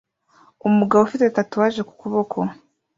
Umugabo ufite tatouage ku kuboko